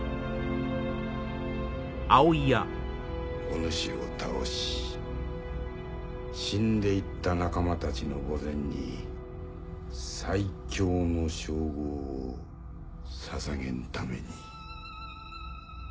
お主を倒し死んで行った仲間たちの墓前に最強の称号を捧げんために。